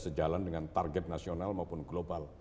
sejalan dengan target nasional maupun global